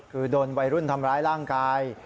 คือโดนวัยรุ่นทำร้ายร่างกาย